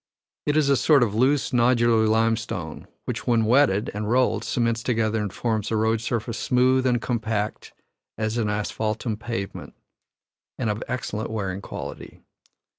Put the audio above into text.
It is a sort of loose nodular limestone, which when wetted and rolled cements together and forms a road surface smooth and compact as an asphaltum pavement, and of excellent wearing quality.